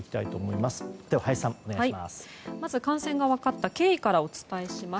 まず、感染が分かった経緯からお伝えします。